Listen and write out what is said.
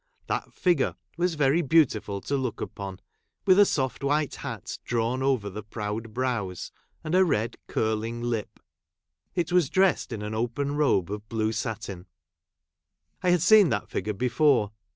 That figui'e was very beautiful to look upon, with a soft white liat drawn down over the proud brows, and a red and cuiding lip. It was dressed in an open robe of blue satin. I had seen that figure before.